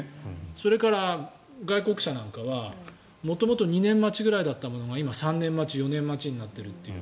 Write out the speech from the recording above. それから外国車なんかは元々２年待だったものが今、３年待ち、４年待ちになっているという。